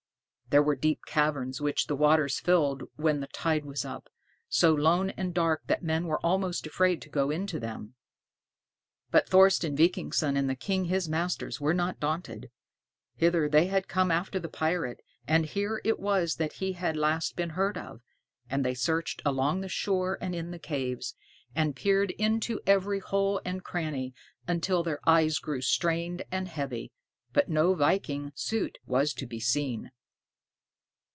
There were deep caverns which the waters filled when the tide was up, so lone and dark that men were almost afraid to go into them. But Thorsten Vikingsson and the King his master were not daunted. Hither had they come after the pirate, and here it was that he had last been heard of; and they searched along the shore and in the caves, and peered into every hole and cranny, until their eyes grew strained and heavy, but no viking Soté was to be seen.